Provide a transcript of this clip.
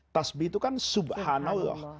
tasbih itu kan subhanallah